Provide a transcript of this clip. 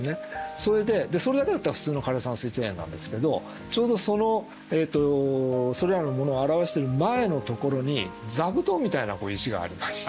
それでそれだけだったら普通の枯山水庭園なんですけどちょうどそのそれらのものを表している前のところに座布団みたいな石がありまして。